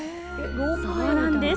そうなんです。